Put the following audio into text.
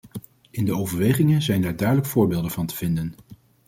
In de overwegingen zijn daar duidelijke voorbeelden van te vinden.